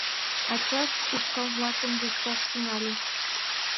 Ачашт ушкал-влакым лӱшташ тӱҥале.